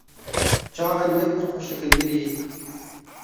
Çavên wê pir xweşik in gidî.